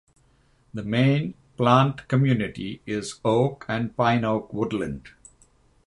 The main plant community is oak and pine–oak woodland.